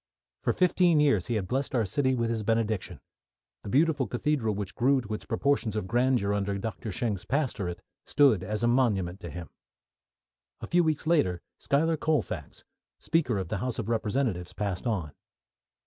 For fifteen years he had blessed our city with his benediction. The beautiful cathedral which grew to its proportions of grandeur under Doctor Schenck's pastorate, stood as a monument to him. A few weeks later Schuyler Colfax, speaker of the House of Representatives, passed on.